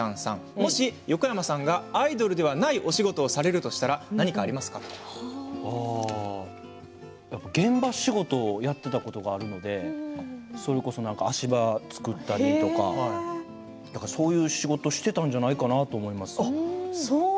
もし横山さんがアイドルでないお仕事をされるとしたらやっぱり現場仕事をやっていたことがあるのでそれこそ足場を作ったりとかそういう仕事をしていたんじゃないかなと思います。